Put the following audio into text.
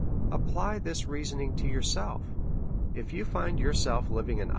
Apply this reasoning to yourself; if you find yourself living an.